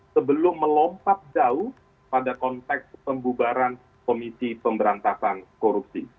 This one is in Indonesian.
sebelum melompat jauh pada konteks pembubaran komisi pemberantasan korupsi